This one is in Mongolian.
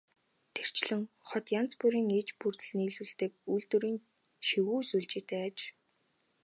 Тэрчлэн хот янз бүрийн иж бүрдэл нийлүүлдэг үйлдвэрүүдийн шигүү сүлжээтэй аж.